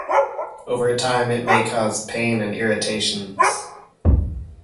Over time it may cause pain and irritations.